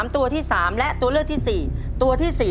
มึงคิดว่ามึงไม่มีที่ตัวที่ตี